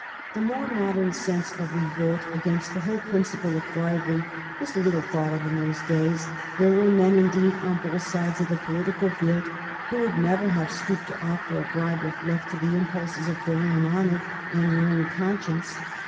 The more modern sense of revolt against the whole principle of bribery was little thought of in those days. There were men, indeed, on both sides of the political field who would never have stooped to offer a bribe if left to the impulses of their own honor and their own conscience.